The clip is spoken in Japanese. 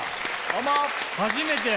初めて。